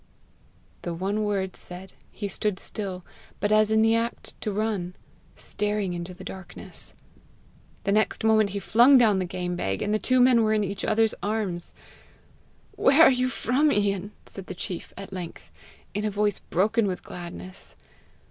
The one word said, he stood still, but as in the act to run, staring into the darkness. The next moment he flung down the game bag, and two men were in each other's arms. "Where are you from, Ian?" said the chief at length, in a voice broken with gladness.